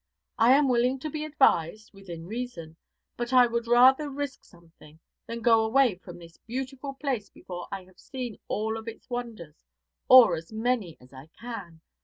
I am willing to be advised, within reason, but I would rather risk something than go away from this beautiful place before I have seen all of its wonders, or as many as I can.